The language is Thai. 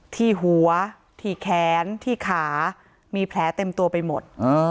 ที่หัวที่แขนที่ขามีแผลเต็มตัวไปหมด